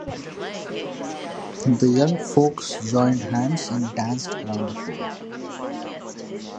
The young folks joined hands and danced around the pole.